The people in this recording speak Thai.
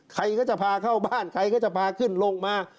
ใครก็จะพาเข้าบ้านใครก็จะพาขึ้นลงมา